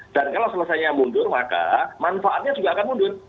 dan kalau selesainya mundur maka manfaatnya juga akan mundur